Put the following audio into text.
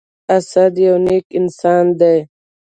اسد يو نیک انسان دی.